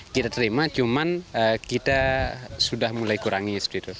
kita terima cuman kita sudah mulai kurangi